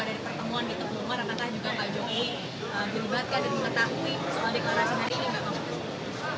rata rata juga pak jokowi berlibatkan dan mengetahui soal deklarasi hari ini